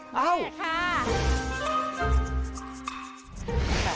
แม่ค่ะ